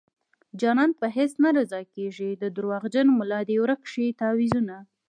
جانان په هيڅ نه رضا کيږي د دروغجن ملا دې ورک شي تعويذونه